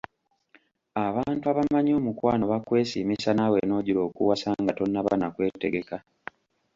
Abantu abamanyi omukwano bakwesiimisa naawe n’ojula okuwasa nga tonnaba na kwetegeka.